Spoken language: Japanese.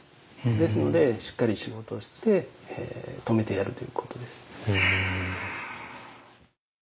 ですのでしっかり仕事をして止めてやるということですね。